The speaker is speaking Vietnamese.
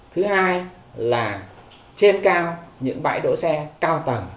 thứ hai là trên cao những bãi đỗ xe cao tầng